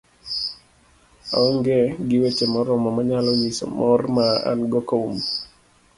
aong'e gi weche moromo manyalo nyiso mor ma an go kuom